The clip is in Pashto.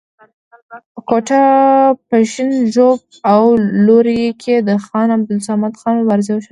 په کوټه، پښین، ژوب او لور لایي کې د خان عبدالصمد خان مبارزې وښودلې.